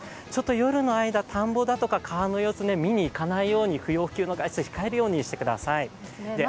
夜の間、田んぼだとか川の様子を見に行かないように不要不急の外出は控えるようにしてください。